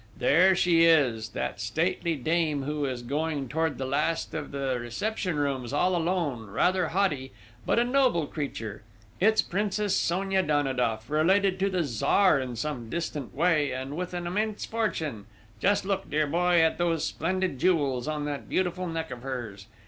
There she is! That stately dame who is going towards the last of the reception rooms all alone, rather haughty, but a noble creature it's Princess Sonia Danidoff, related to the Tzar in some distant way and with an immense fortune. Just look, dear boy, at those splendid jewels on that beautiful neck of hers!